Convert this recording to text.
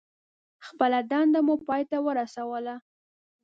خپله دنده مو پای ته ورسوله.